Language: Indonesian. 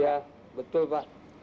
iya betul pak